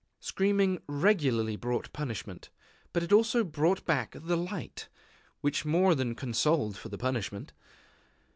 Screaming regularly brought punishment; but it also brought back the light, which more than consoled for the punishment.